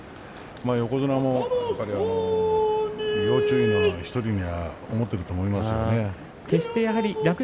横綱も、要注意な１人には思っていると思いますけどね。